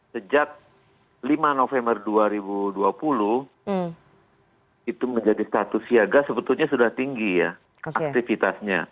sejak lima november dua ribu dua puluh itu menjadi status siaga sebetulnya sudah tinggi ya aktivitasnya